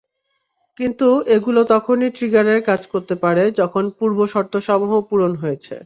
কিন্তু এগুলো তখনই ট্রিগারের কাজ করতে পারে, যখন পূর্বশর্তসমূহ পূরণ হয়েছে।